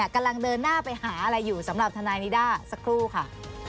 กำลังเดินหน้าไปหาอะไรอยู่สำหรับทนายนิด้าสักครู่ค่ะ